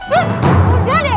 asyik udah deh